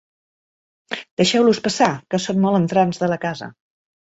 Deixeu-los passar, que són molt entrants de la casa.